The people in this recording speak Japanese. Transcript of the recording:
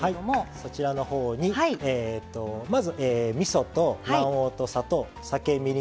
そちらのほうにまず、みそと卵黄と砂糖酒、みりん